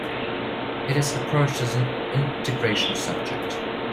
It is approached as an integration subject.